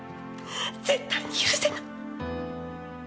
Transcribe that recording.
絶対に許せない。